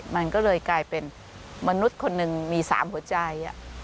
มันก็เลยกลายเป็นมนุษย์คนหนึ่งมี๓หัวใจ